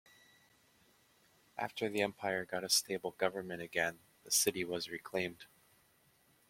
After the empire got a stable government again, the city was reclaimed.